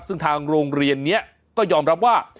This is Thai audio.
ซึ่งทางโรงเรียนนี้ก็ยอมรับว่า